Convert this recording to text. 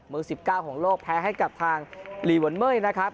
๑๙ของโลกแพ้ให้กับทางลีวันเมยนะครับ